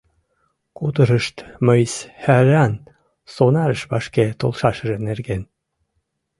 Кутырышт мыйс хӓрран сонарыш вашке толшашыже нерген.